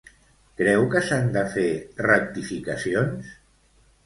Creu que s'han de fer rectificacions?